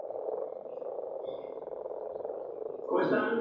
En tal cargo mantuvo relaciones tensas pero constantes con el sindicalismo peronista.